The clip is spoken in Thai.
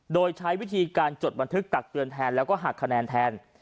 โดยใช้วิธีการจดบันทึกตักเตือนแทนแล้วก็หักคะแนนแทน